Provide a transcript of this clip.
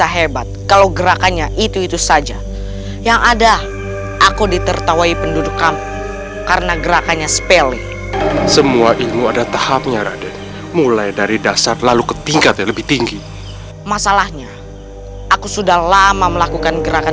hari ini aku akan membuat ramuan untuk surakerta